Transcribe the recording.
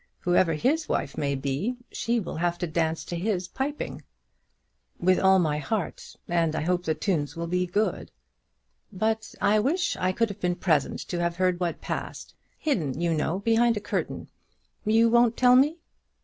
Whoever his wife may be, she will have to dance to his piping." "With all my heart; and I hope the tunes will be good." "But I wish I could have been present to have heard what passed; hidden, you know, behind a curtain. You won't tell me?"